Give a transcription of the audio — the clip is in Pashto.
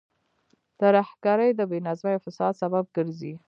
ترهګرۍ د بې نظمۍ او فساد سبب ګرځي.